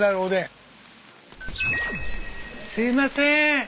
すいません。